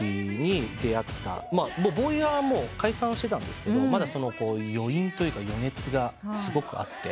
ＢＷＹはもう解散してたんですけど余韻というか余熱がすごくあって。